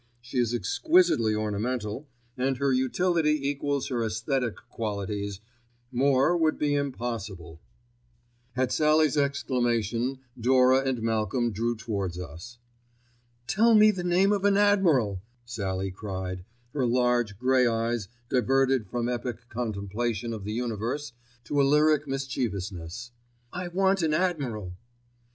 She is exquisitely ornamental, and her utility equals her æsthetic qualities; more would be impossible. At Sallie's exclamation Dora and Malcolm drew towards us. "Tell me the name of an admiral," Sallie cried, her large, grey eyes diverted from epic contemplation of the universe to a lyric mischievousness. "I want an admiral."